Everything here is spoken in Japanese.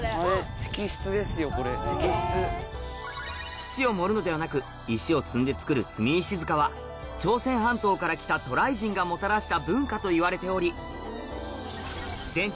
土を盛るのではなく石を積んで作る積石塚は朝鮮半島から来た渡来人がもたらした文化といわれており全長